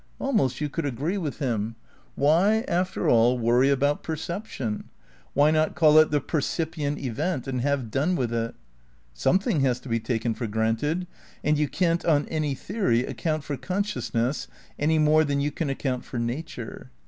Almost you could agree with him. Why, after all, worry about perception? Why not call it the percipient event and have done with if? Something has to be taken for granted, and you can't, on any theory, account for con sciousness any more than you can account for nature.